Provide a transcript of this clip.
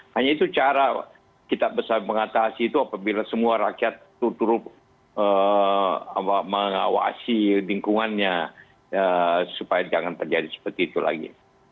hanya itu cara kita bisa mengatasi itu apabila semua rakyat turut mengawasi lingkungannya supaya jangan terjadi seperti itu lagi